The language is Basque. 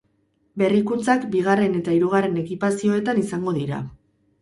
Berrikuntzak bigarren eta hirugarren ekipazioetan izango dira.